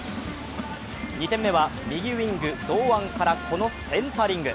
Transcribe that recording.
２点目は右ウイング、堂安からこのセンタリング。